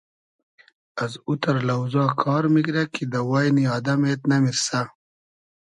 از اوتئر لۆزا کار میگرۂ کی دۂ واینی آدئم اېد نئمیرسۂ